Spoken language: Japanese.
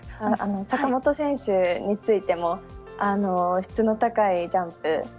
坂本選手についても質の高いジャンプ。